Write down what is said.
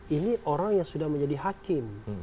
ini orang yang sudah menjadi hakim